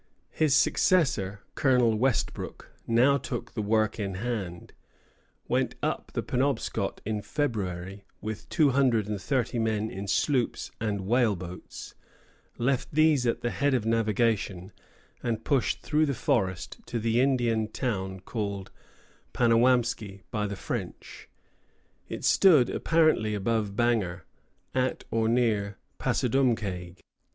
His successor, Colonel Westbrook, now took the work in hand, went up the Penobscot in February with two hundred and thirty men in sloops and whale boats, left these at the head of navigation, and pushed through the forest to the Indian town called Panawamské by the French. It stood apparently above Bangor, at or near Passadumkeag.